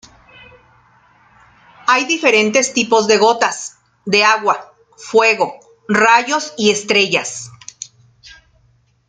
Hay diferentes tipos de gotas: De agua, fuego, rayos y estrellas.